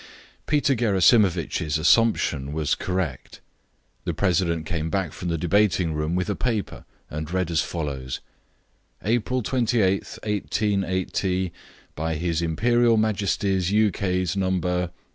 Peter Gerasimovitch's assumption was correct. The president came back from the debating room with a paper, and read as follows: "April 28th, 188 . By His Imperial Majesty's ukase No.